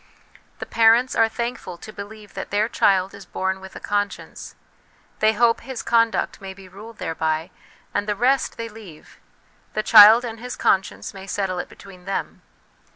The parents are thankful to believe that their child is born with a conscience ; they hope his conduct may be ruled thereby : and the rest they leave; the child and his conscience may settle it between them.